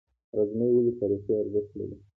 غزني ولې تاریخي ارزښت لري؟